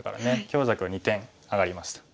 強弱２点上がりました。